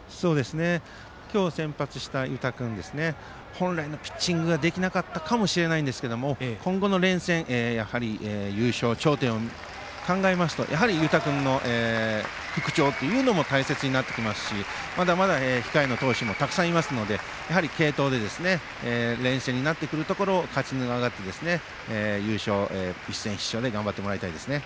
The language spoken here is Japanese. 今日投げた湯田君は本来のピッチングができなかったかもしれないんですけれども今後の連戦優勝、頂点を考えますとやはり湯田君の復調も大切になってきますしまだまだ控えの投手もたくさんいますので、継投で連戦になってくるところを勝ち上がって優勝、一戦必勝で頑張ってもらいたいですね。